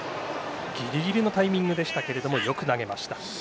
ギリギリのタイミングでしたけれどもよく投げました。